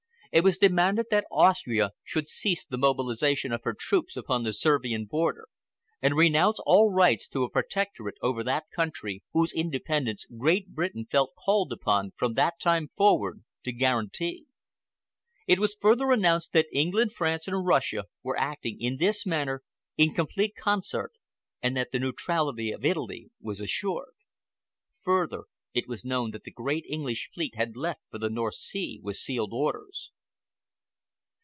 It was demanded that Austria should cease the mobilization of her troops upon the Servian frontier, and renounce all rights to a protectorate over that country, whose independence Great Britain felt called upon, from that time forward, to guarantee. It was further announced that England, France, and Russia were acting in this matter in complete concert, and that the neutrality of Italy was assured. Further, it was known that the great English fleet had left for the North Sea with sealed orders.